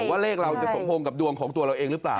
ว่าเลขเราจะสมพงษ์กับดวงของตัวเราเองหรือเปล่า